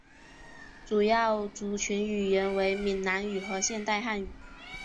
主要族群语言为闽南语和现代汉语。